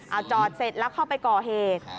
เอาจอดเสร็จแล้วเข้าไปก่อเหตุ